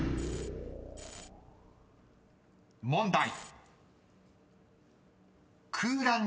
［問題］